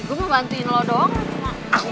gue mau bantuin lo doang lah cuma